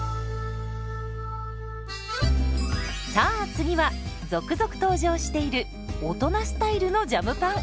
さあ次は続々登場している大人スタイルのジャムパン。